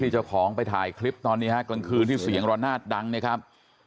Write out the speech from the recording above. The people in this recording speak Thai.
เจ้าของไปถ่ายคลิปตอนนี้ฮะกลางคืนที่เสียงระนาดดังนะครับ